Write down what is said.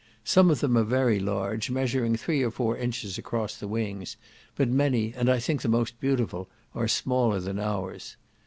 Some of them are very large, measuring three or four inches across the wings; but many, and I think the most beautiful, are smaller than ours.